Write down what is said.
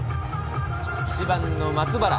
１番の松原。